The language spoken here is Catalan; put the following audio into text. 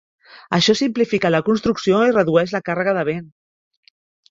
Això simplifica la construcció i redueix la càrrega de vent.